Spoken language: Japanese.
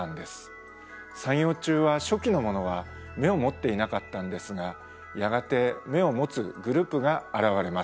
三葉虫は初期のものは眼を持っていなかったんですがやがて眼を持つグループが現れます。